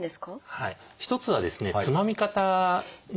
はい。